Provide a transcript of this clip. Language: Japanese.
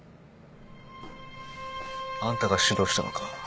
あんたが指導したのか？